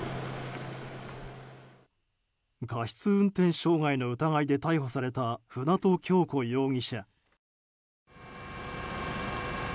過失運転傷害の疑いで逮捕された舟渡今日子容疑者。